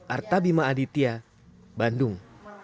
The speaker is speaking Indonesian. artabima aditya bandung